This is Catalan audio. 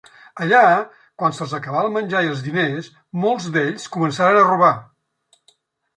Allà, quan se'ls acabà el menjar i els diners, molts d'ells començaren a robar.